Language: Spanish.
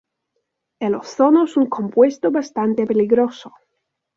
El ozono es un compuesto bastante peligroso.